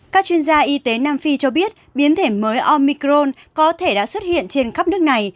các chuyên gia y tế nam phi cho biết biến thể mới omicrone có thể đã xuất hiện trên khắp nước này